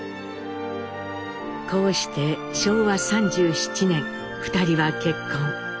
こうして昭和３７年２人は結婚。